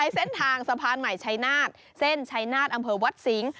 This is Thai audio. เส้นทางสะพานใหม่ชัยนาศเส้นชัยนาฏอำเภอวัดสิงห